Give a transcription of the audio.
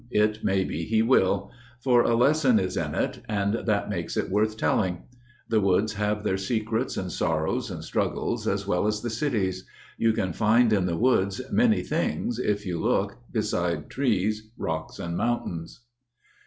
It may be he will. For a lesson Is in it, and that makes it worth telling. The woods have their secrets and sorrows and struggles As well as the cities. You can find in the woods Many things, if you look, beside trees, rocks, and mountains.